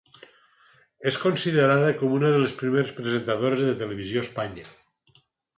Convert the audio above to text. És considerada com una de les primeres presentadores de televisió a Espanya.